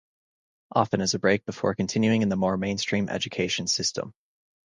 Often as a break before continuing in the more mainstream education system.